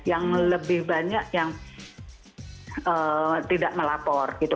yang lebih banyak yang tidak melapor gitu